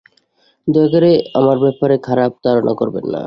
দয়া করে, আমার ব্যাপারে খারাপ ধারণা করবেন না।